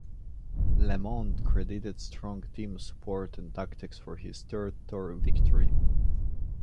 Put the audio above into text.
LeMond credited strong team support and tactics for his third Tour victory.